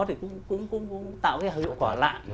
thì cũng tạo cái hợp quả lạ